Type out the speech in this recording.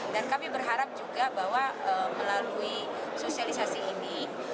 dan kami berharap juga bahwa melalui sosialisasi ini